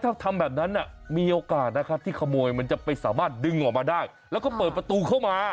ถ้าทำแบบนั้นมีโอกาสนะครับที่ขโมยมันจะไปสามารถดึงออกมาได้แล้วก็เปิดประตูเข้ามา